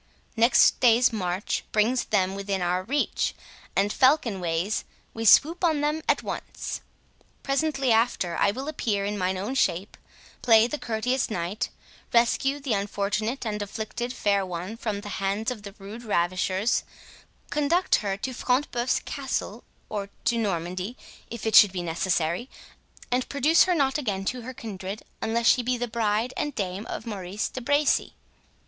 Next day's march brings them within our reach, and, falcon ways, we swoop on them at once. Presently after I will appear in mine own shape, play the courteous knight, rescue the unfortunate and afflicted fair one from the hands of the rude ravishers, conduct her to Front de Bœuf's Castle, or to Normandy, if it should be necessary, and produce her not again to her kindred until she be the bride and dame of Maurice de Bracy."